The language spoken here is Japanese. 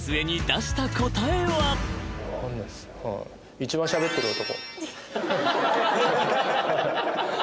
一番しゃべってる男。